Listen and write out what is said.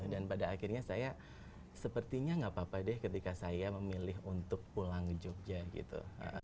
dan pada akhirnya saya sepertinya gak apa apa deh ketika saya memilih untuk pulang ke jogja gitu